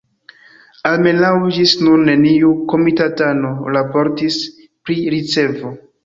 Almenaŭ ĝis nun neniu komitatano raportis pri ricevo.